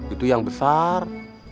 itu yang besar